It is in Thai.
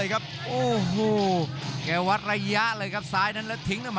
ดูเหลือเกินครับ